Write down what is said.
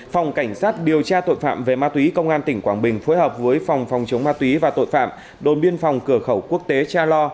phòng cảnh sát điều tra tội phạm về ma túy công an tỉnh quảng bình phối hợp với phòng phòng chống ma túy và tội phạm đồn biên phòng cửa khẩu quốc tế cha lo